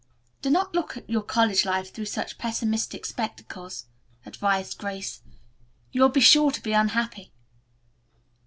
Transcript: "Do not look at your college life through such pessimistic spectacles," advised Grace. "You will be sure to be unhappy."